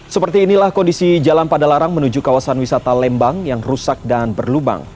seperti inilah kondisi jalan pada larang menuju kawasan wisata lembang yang rusak dan berlubang